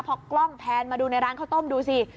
พอกล้องแพนมาดูในร้านข้าวต้มดูสิ